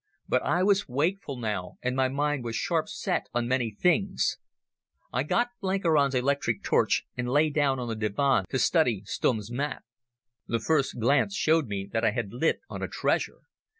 But I was wakeful now and my mind was sharp set on many things. I got Blenkiron's electric torch and lay down on the divan to study Stumm's map. The first glance showed me that I had lit on a treasure.